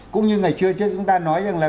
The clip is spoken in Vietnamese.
cũng như ngày xưa trước chúng ta nói rằng là